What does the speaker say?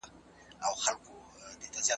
د ژوند ستونزې د شخصیت جوړولو برخه ده.